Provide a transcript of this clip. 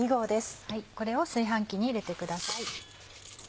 これを炊飯器に入れてください。